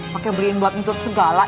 pake beliin buat nutut segala